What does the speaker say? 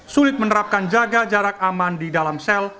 sulit menerapkan jaga jarak aman di dalam sel